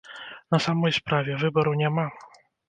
На самой справе, выбару няма?